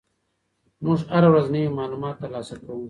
موږ هره ورځ نوي معلومات ترلاسه کوو.